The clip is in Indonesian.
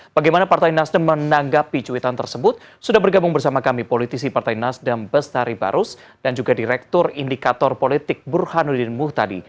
bagaimana partai nasdem menanggapi cuitan tersebut sudah bergabung bersama kami politisi partai nasdem bestari barus dan juga direktur indikator politik burhanuddin muhtadi